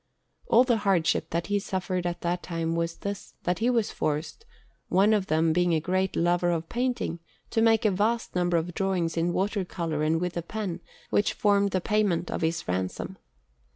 All the hardship that he suffered at that time was this, that he was forced, one of them being a great lover of painting, to make a vast number of drawings in water colours and with the pen, which formed the payment of his ransom.